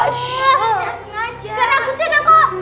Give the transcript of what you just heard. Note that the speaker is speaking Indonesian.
gak ada pusing aku